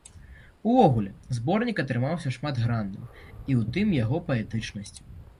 Увогуле, зборнік атрымаўся шматгранным, і ў тым яго паэтычнасць.